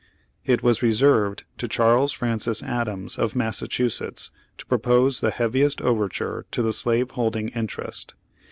It was reserved to Charles Francis Adams, of Massachusetts, to propose the heaviest overture to the slave holding interest.